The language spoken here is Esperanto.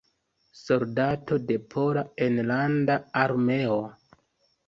Soldato de Pola Enlanda Armeo.